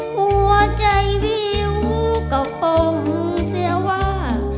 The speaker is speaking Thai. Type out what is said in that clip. หัวใจวิวก็คงเสียว่า